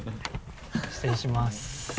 失礼します。